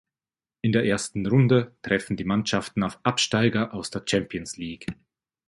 In der ersten Runde treffen die Mannschaften auf Absteiger aus der Champions League.